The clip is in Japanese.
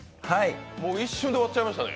一瞬で終わっちゃいましたね。